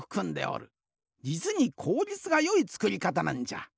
じつにこうりつがよいつくりかたなんじゃ。